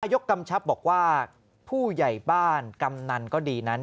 ยกกำชับบอกว่าผู้ใหญ่บ้านกำนันก็ดีนั้น